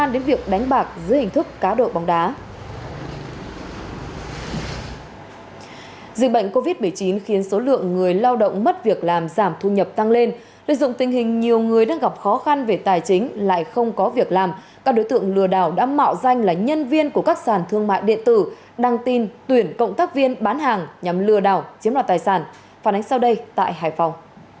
dịch bệnh covid một mươi chín khiến số lượng người lao động mất việc làm giảm thu nhập tăng lên lợi dụng tình hình nhiều người đang gặp khó khăn về tài chính lại không có việc làm các đối tượng lừa đảo đã mạo danh là nhân viên của các sản thương mại điện tử đăng tin tuyển cộng tác viên bán hàng nhằm lừa đảo chiếm đoạt tài sản phản ánh sau đây tại hải phòng